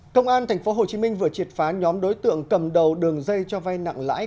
công an tp hcm vừa triệt phá nhóm đối tượng cầm đầu đường dây cho vay nặng lãi